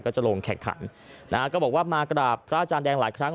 จะลงแข่งขันนะฮะก็บอกว่ามากราบพระอาจารย์แดงหลายครั้ง